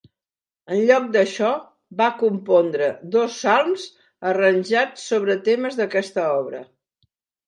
En lloc d'això, va compondre dos psalms arranjats sobre temes d'aquesta obra.